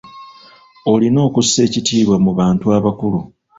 Olina okussa ekitiibwa mu bantu abakulu.